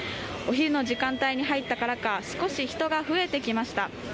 お昼の時間帯に入ったからか少し人が増えてきました。